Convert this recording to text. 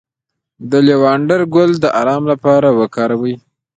د لیوانډر ګل د ارام لپاره وکاروئ